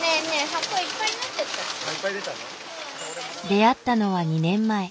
出会ったのは２年前。